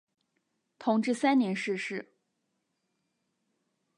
同治三年逝世。